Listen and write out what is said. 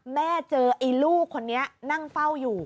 เจอไอ้ลูกคนนี้นั่งเฝ้าอยู่